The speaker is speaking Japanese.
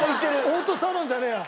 オートサロンじゃねえや。